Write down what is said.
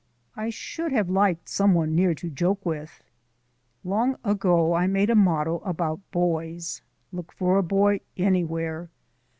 I should have liked some one near to joke with. Long ago I made a motto about boys: Look for a boy anywhere.